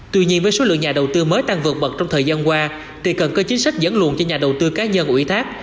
tuy nhiên với số lượng nhà đầu tư mới tăng vượt bậc trong thời gian qua thì cần có chính sách dẫn luồn cho nhà đầu tư cá nhân ủy thác